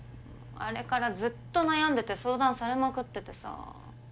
あれからずっと悩んでて相談されまくっててさ。